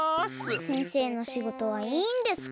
先生のしごとはいいんですか？